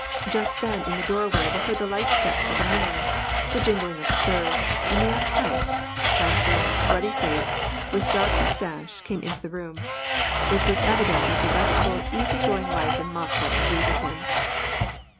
Just [hen in the doorway were heard the light steps of a man, the jingling of spurs and the young count, handsome, ruddy faced, Vith dark moustache, came into the room ; it was evident that fee restful, easy going life in Moscowtigreed with him.